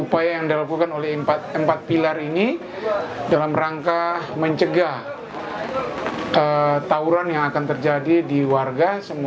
upaya yang dilakukan oleh empat pilar ini dalam rangka mencegah tawuran yang akan terjadi di warga